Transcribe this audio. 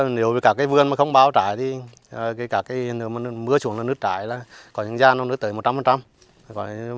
nếu như cả cái vườn mà không bao trái thì cả cái mưa xuống là nứt trái là có những gia nó nứt tới một trăm linh